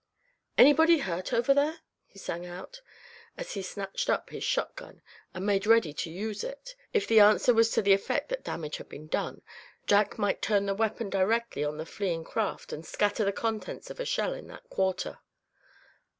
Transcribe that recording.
"Anybody hurt over there?" he sang out, as he snatched up his shotgun, and made ready to use it; if the answer was to the effect that damage had been done, Jack might turn the weapon directly on the fleeing craft, and scatter the contents of a shell in that quarter.